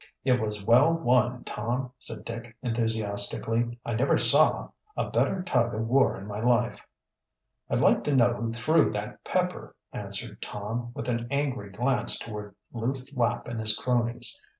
"It was well won, Tom!" said Dick enthusiastically. "I never saw a better tug of war in my life." "I'd like to know who threw that pepper," answered Tom, with an angry glance toward Lew Flapp and his cronies.